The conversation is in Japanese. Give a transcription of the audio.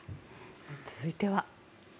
続いては。